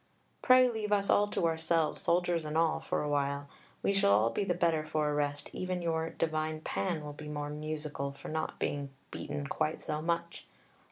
"Pray leave us all to ourselves, soldiers and all, for a while. We shall all be the better for a rest. Even your 'divine Pan' will be more musical for not being beaten quite so much.